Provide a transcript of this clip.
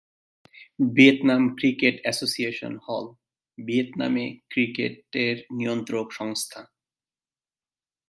Vietnam cricket association হল, ভিয়েতনামে ক্রিকেটের নিয়ন্ত্রক সংস্থা।